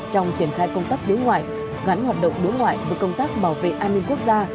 trong triển khai công tác đối ngoại gắn hoạt động đối ngoại với công tác bảo vệ an ninh quốc gia